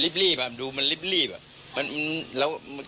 พี่สมหมายก็เลย